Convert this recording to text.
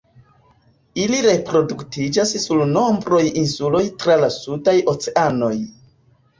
Ili reproduktiĝas sur nombraj insuloj tra la sudaj oceanoj.